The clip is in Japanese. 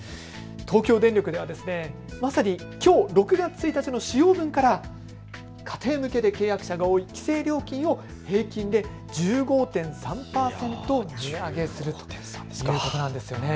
東京電力ではまさにきょう６月１日の使用分から家庭向けで契約者が多い規制料金を平均で１５．３％値上げするということなんです。